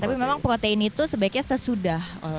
tapi memang protein itu sebaiknya sesudah